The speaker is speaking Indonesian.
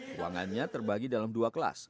ruangannya terbagi dalam dua kelas